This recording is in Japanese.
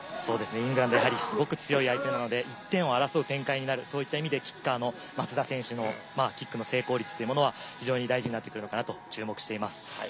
イングランド、すごい強い相手なので１点を争う相手になるという意味でキッカーの松田選手のキックの成功率は非常に大事になってくるかなと注目しています。